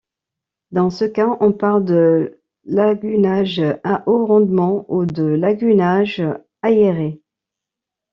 Dans ce cas, on parle de lagunage à haut-rendement ou de lagunage aéré.